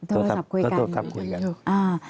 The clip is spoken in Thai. โทรศัพท์คุยกัน